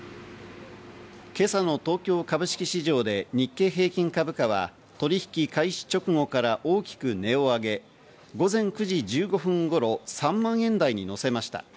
今朝の東京株式市場で日経平均株価は取引開始直後から大きく値を上げ、午前９時１５分頃、３万円台にのせました。